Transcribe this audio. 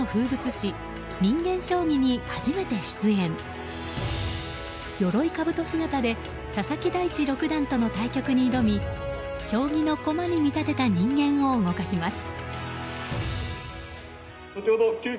鎧兜姿で佐々木大地六段との対局に挑み将棋の駒に見立てた人間を動かします。